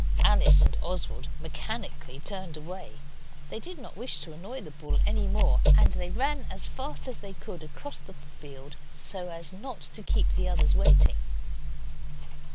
Alice and Oswald mechanically turned away; they did not wish to annoy the bull any more, and they ran as fast as they could across the field so as not to keep the others waiting.